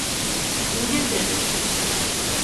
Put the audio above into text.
İndir dedim!